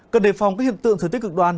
cần đề phòng các hiện tượng thừa tích cực đoan